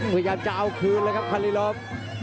พยายามจะเอาคืนเลยครับคารีลม